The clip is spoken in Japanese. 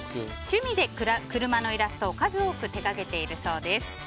趣味で車のイラストを数多く手掛けているそうです。